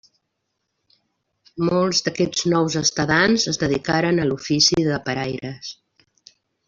Molts d'aquests nous estadants es dedicaren a l'ofici de paraires.